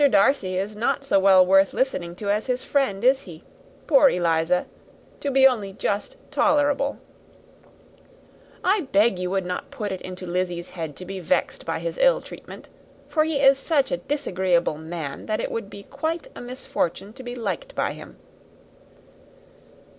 Darcy is not so well worth listening to as his friend, is he? Poor Eliza! to be only just tolerable." "I beg you will not put it into Lizzy's head to be vexed by his ill treatment, for he is such a disagreeable man that it would be quite a misfortune to be liked by him.